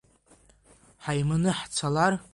Ҳаиманы ҳцалар?